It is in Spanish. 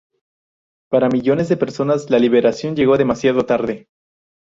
Para millones de personas, la liberación llegó demasiado tarde.